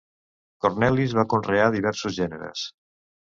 Cornelis va conrear diversos gèneres.